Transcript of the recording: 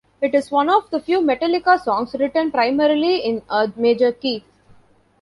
It is one of the few Metallica songs written primarily in a major key.